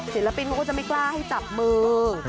ศิลปินเขาก็จะไม่กล้าให้จับมือ